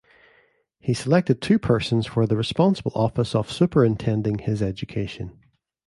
He selected two persons for the responsible office of superintending his education.